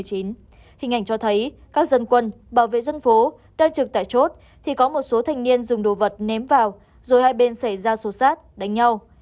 hình ảnh cho thấy các dân quân bảo vệ dân phố ca trực tại chốt thì có một số thanh niên dùng đồ vật ném vào rồi hai bên xảy ra xô xát đánh nhau